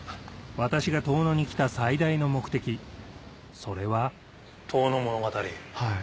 私が遠野に来た最大の目的それは『遠野物語』。